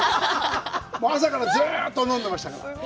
朝からずうっと飲んでましたから。